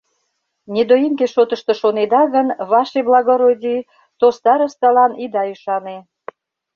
Недоимке шотышто шонеда гын, ваше благородий, то старосталан ида ӱшане...